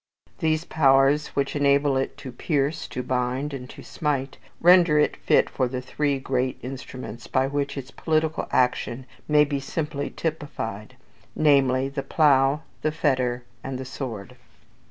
These powers, which enable it to pierce, to bind, and to smite, render it fit for the three great instruments, by which its political action may be simply typified; namely, the Plough, the Fetter, and the Sword.